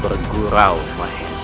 maksudku sudah berhenti